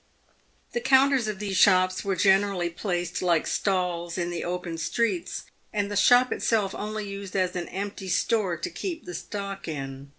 The counters of these shops were generally placed, like stalls, in the open streets, and the shop itself only used as an empty store to keep the stock in.